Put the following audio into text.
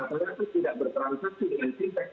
maksudnya itu tidak bertransaksi dengan sintex